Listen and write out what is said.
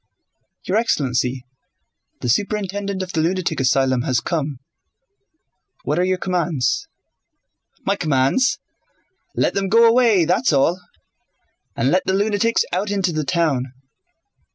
"Your excellency, the superintendent of the lunatic asylum has come: what are your commands?" "My commands? Let them go away, that's all.... And let the lunatics out into the town.